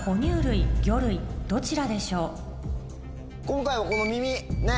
今回はこの耳ねっ。